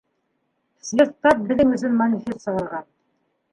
Съезд тап беҙҙең өсөн манифест сығарған.